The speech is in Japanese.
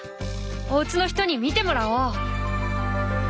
おうちの人に見てもらおう！